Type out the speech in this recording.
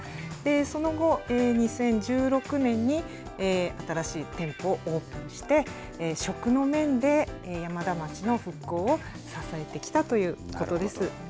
その後、２０１６年に新しい店舗をオープンして、食の面で山田町の復興を支えてきたということです。